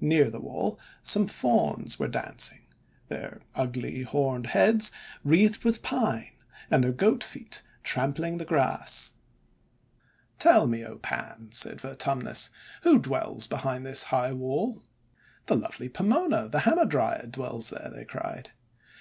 Near the wall some Fauns were dancing, their ugly horned heads wreathed with pine, and their goat feet trampling the grass. 'Tell me, O Pans," said Vertumnus, 'who dwrells behind this high wall?' 'The lovely Pomona, the Hamadryad, dwells there!' they cried.